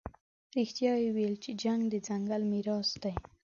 رښتیا یې ویلي چې جنګ د ځنګل میراث دی.